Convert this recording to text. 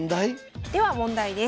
では問題です。